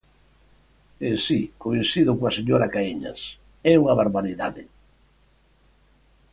E si, coincido coa señora Caíñas: é unha barbaridade.